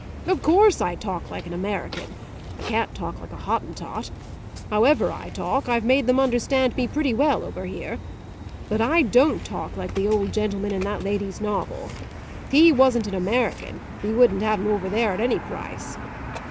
Of course I talk like an American I can't talk like a Hottentot. However I talk, I've made them understand me pretty well over here. But I don't talk like the old gentleman in that lady's novel. He wasn't an American; we wouldn't have him over there at any price.